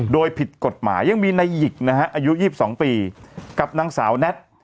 โดยผิดกฎหมายยังมีในหยิกนะฮะอายุ๒๒ปีกับนางสาวแน็ต